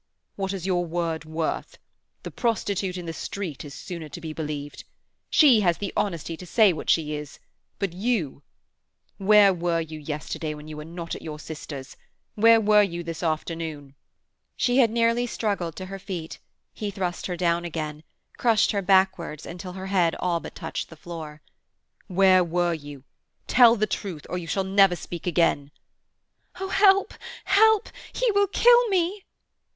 What is your word worth? The prostitute in the street is sooner to be believed. She has the honesty to say what she is, but you—Where were you yesterday when you were not at your sister's? Where were you this afternoon?" She had nearly struggled to her feet; he thrust her down again, crushed her backwards until her head all but touched the floor. "Where were you? Tell the truth, or you shall never speak again!" "Oh—help! help! He will kill me!"